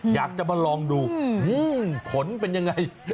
อยากจะมาลองดูผลเป็นยังไง